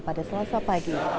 pada selasa pagi